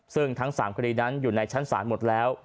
ซึ่งทั้ง๓คดีนั้นอยู่ในชั้นศาลหมดแล้ว